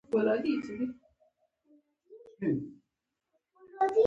صدقه او خیرات د مال پاکوالی دی.